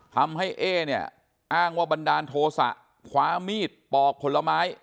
ทำให้เอเนี่ยอ้างว่าบรรดาโทษะขวามีดปอกผลไม้